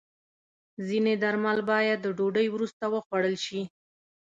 ځینې درمل باید د ډوډۍ وروسته وخوړل شي.